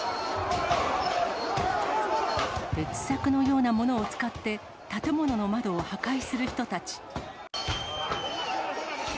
鉄柵のようなものを使って、建物の窓を破壊する人たち。